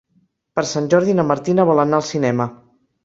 Per Sant Jordi na Martina vol anar al cinema.